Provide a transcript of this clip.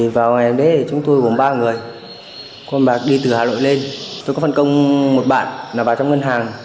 vào ngày hôm đấy chúng tôi gồm ba người con bà đi từ hà nội lên tôi có phần công một bạn vào trong ngân hàng